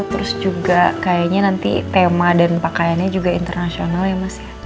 terus juga kayaknya nanti tema dan pakaiannya juga internasional ya mas ya